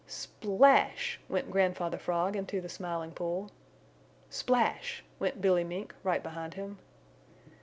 Splash! Went Grandfather Frog into the Smiling Pool. Splash! Went Billy Mink right behind him.